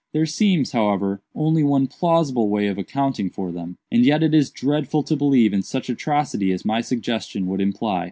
There seems, however, only one plausible way of accounting for them—and yet it is dreadful to believe in such atrocity as my suggestion would imply.